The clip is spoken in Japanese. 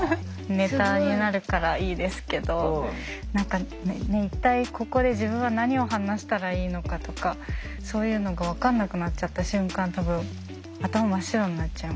ネタになるからいいですけど何か一体ここで自分は何を話したらいいのかとかそういうのが分かんなくなっちゃった瞬間多分頭真っ白になっちゃいますよね。